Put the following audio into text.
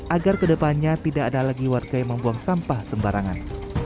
agar kedepannya tidak ada lagi warga yang membuang sampah sembarangan